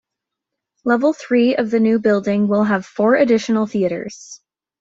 Level three of the new building will have four additional theatres.